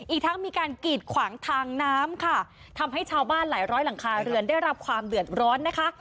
อีกทั้งมีการกีดขวางทางน้ำค่ะทำให้ชาวบ้านหลายร้อยหลังคาเรือนได้รับความเดือดร้อนนะคะ